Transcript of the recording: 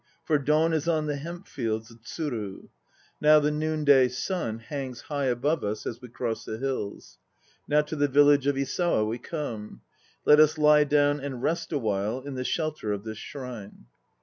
For dawn Is on the hemp fields of Tsuru. Now the noonday sun Hangs high above us as we cross the hills. Now to the village of Isawa we come. Let us lie down and rest awhile in the shelter of this shrine.